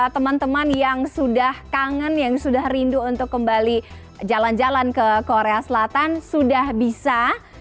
teman teman yang sudah kangen yang sudah rindu untuk kembali jalan jalan ke korea selatan sudah bisa